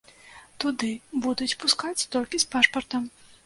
Туды будуць пускаць толькі з пашпартам.